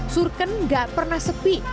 surken nggak pernah sepi